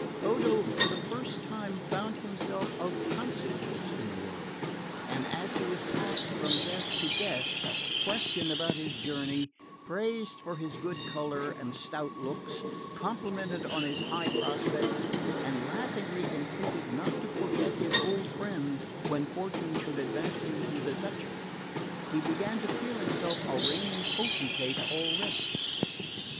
Odo for the first time found himself of consequence in the world; and as he was passed from guest to guest, questioned about his journey, praised for his good colour and stout looks, complimented on his high prospects, and laughingly entreated not to forget his old friends when fortune should advance him to the duchy, he began to feel himself a reigning potentate already.